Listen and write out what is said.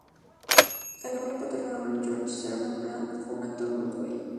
El abuelo paterno de Bratt, George Cleveland Bratt, fue un actor de Broadway.